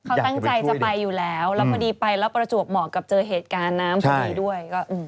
เขาตั้งใจจะไปอยู่แล้วแล้วพอดีไปแล้วประจวบเหมาะกับเจอเหตุการณ์น้ำพอดีด้วย